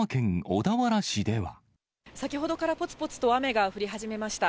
先ほどからぽつぽつと雨が降り始めました。